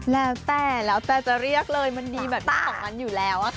แล้วแต่แล้วแต่จะเรียกเลยมันดีแบบนี้ของมันอยู่แล้ว